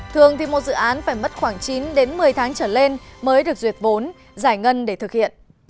thường thì một dự án phải mất khoảng chín một mươi tháng trở lên mới được duyệt vốn giải ngân để thực hiện